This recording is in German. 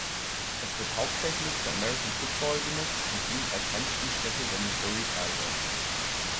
Es wird hauptsächlich für American Football genutzt und dient als Heimspielstätte der Missouri Tigers.